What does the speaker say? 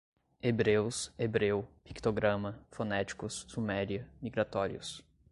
Hebreus, hebreu, pictograma, fonéticos, suméria, migratórios